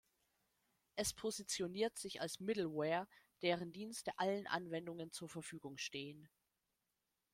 Es positioniert sich als Middleware, deren Dienste allen Anwendungen zur Verfügung stehen.